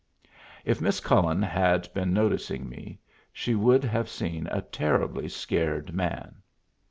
If Miss Cullen had been noticing me, she would have seen a terribly scared man.